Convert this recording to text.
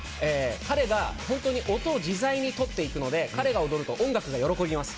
彼が本当に音を自在にとっていくので彼が踊ると音楽が喜びます。